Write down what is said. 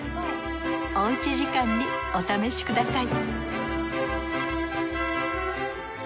おうち時間にお試しください